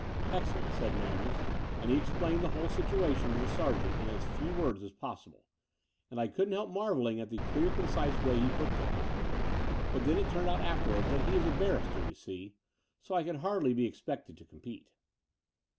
"Excellent," said Manders, and he explained the whole situation to the sergeant in as few words as possible; and I cotddn't help marvelling at the clear concise way he put things. But then it turned out afterwards that he is a barrister, you see; so I could hardly be expected to compete.